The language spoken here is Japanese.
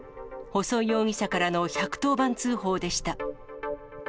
細井容疑者からの１１０番通報でした。